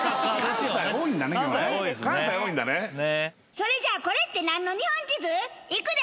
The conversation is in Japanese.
それじゃあ『コレって何の日本地図！？』いくで！